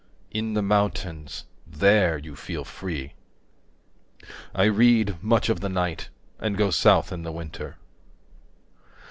In the mountains, there you feel free. I read, much of the night, and go south in the winter.